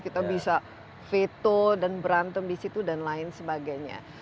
kita bisa veto dan berantem di situ dan lain sebagainya